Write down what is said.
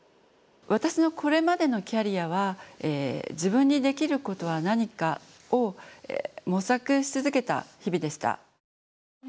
私のこれまでのキャリアは自分にできることは何かを模索し続けた日々でした。